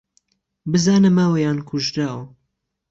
بزانه ماوه یان کوژراوه